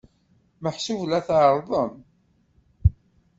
Meḥsub la tɛerrḍem?